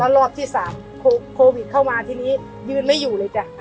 รอบที่๓โควิดเข้ามาทีนี้ยืนไม่อยู่เลยจ้ะ